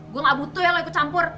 gue gak butuh ya lo ikut campur